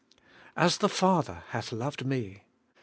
'As the Father hath loved me.'